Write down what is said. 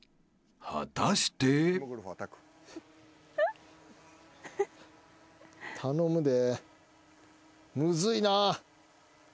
［果たして］頼むで。